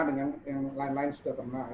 dengan yang lain lain sudah pernah